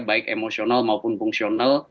baik emosional maupun fungsional